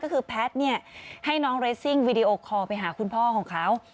ก็คือแพทย์เนี่ยให้น้องเรสซิ่งวีดีโอคอลไปหาคุณพ่อของเขา